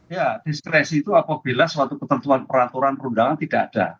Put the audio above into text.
ya diskresi itu apabila suatu ketentuan peraturan perundangan tidak ada